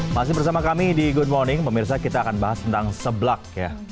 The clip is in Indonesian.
masih bersama kami di good morning pemirsa kita akan bahas tentang seblak ya